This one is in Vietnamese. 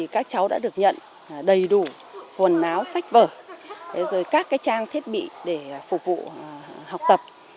các cháu đã được nhận đầy đủ quần áo sách vở rồi các trang thiết bị để phục vụ học tập